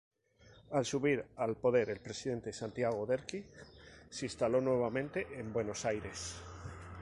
Al subir al poder el presidente Santiago Derqui, se instaló nuevamente en Buenos Aires.